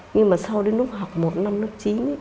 nhưng mà sau đến lúc học một năm lớp chín ấy